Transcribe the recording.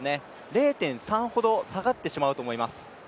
０．３ほど下がってしまうと思います。